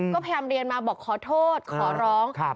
ก็พยายามเรียนมาบอกขอโทษขอร้อง